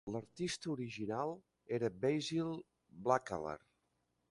L'artista original era Basil Blackaller.